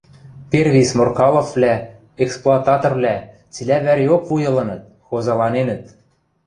Перви сморкаловвлӓ, эксплуататорвлӓ, цилӓ вӓреок вуй ылыныт, хозаланенӹт.